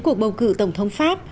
cuộc bầu cử tổng thống pháp